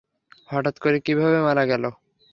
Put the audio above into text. হঠাৎ করে কীভাবে মারা গেল?